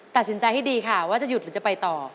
ตัดสินใจให้ดีค่ะว่าจะหยุดหรือจะไปต่อ